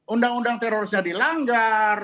undang undang terorisnya dilanggar